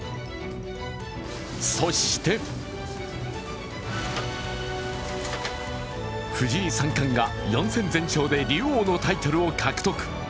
そして藤井三冠が４戦全勝で竜王のタイトルを獲得。